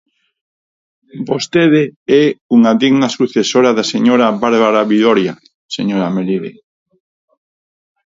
Vostede é unha digna sucesora da señora Bárbara Viloira, señora Melide.